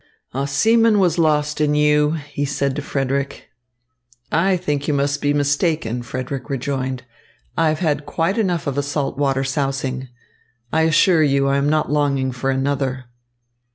"A seaman was lost in you," he said to Frederick. "I think you must be mistaken," Frederick rejoined. "I have had quite enough of a salt water sousing. I assure you, I am not longing for another."